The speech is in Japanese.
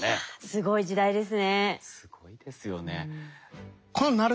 すごいですよね。